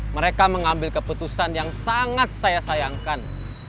mereka mengambil keputusan yang sangat saya sayangkan